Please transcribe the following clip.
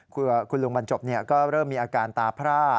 คุณลุงบรรจบก็เริ่มมีอาการตาพร่า